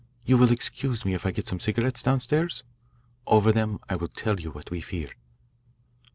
"You will excuse me if I get some cigarettes downstairs? Over them I will tell you what we fear."